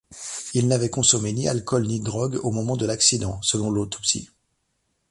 Il n'avait consommé ni alcool ni drogue au moment de l'accident, selon l'autopsie.